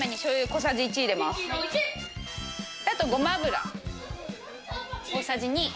あとごま油大さじ２。